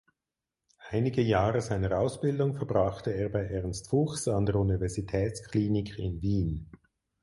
Einige Jahre seiner Ausbildung verbrachte er bei Ernst Fuchs an der Universitätsklinik in Wien.